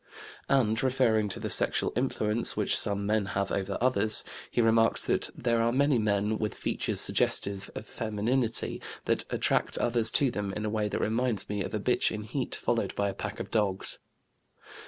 And, referring to the sexual influence which some men have over others, he remarks that "there are many men with features suggestive of femininity that attract others to them in a way that reminds me of a bitch in heat followed by a pack of dogs."